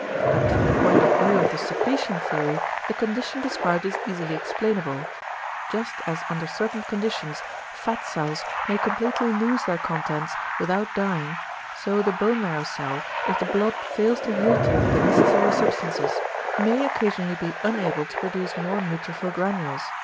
But from the point of view of the secretion theory the condition described is easily explainable. Just as under certain conditions fat cells may completely lose their contents without dying, so the bone marrow cell, if the blood fails to yield to it the necessary substances, may occasionally be unable to produce more neutrophil granules.